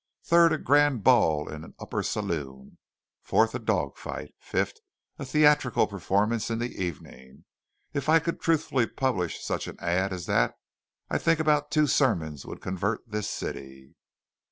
Third, a grand ball in upper saloon. Fourth, a dog fight. Fifth, a theatrical performance in the evening. If I could truthfully publish such an ad as that I think about two sermons would convert this city."